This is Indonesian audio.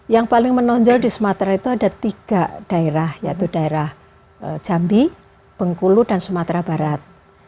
yang paling menonjol di sumatera itu ada tiga daerah yaitu daerah jambi bengkulu dan sumatera barat